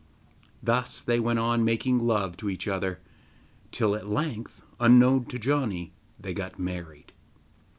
Thus they went on making love to each other till at length, unknown to Janni, they got married.